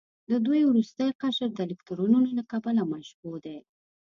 د دوی وروستی قشر د الکترونونو له کبله مشبوع دی.